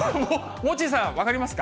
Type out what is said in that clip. モッチーさん、分かりますか？